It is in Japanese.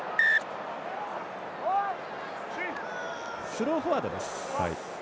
スローフォワードです。